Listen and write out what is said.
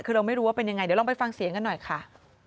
คือเราไม่รู้ว่าเป็นยังไงเดี๋ยวลองไปฟังเสียงกันหน่อยค่ะ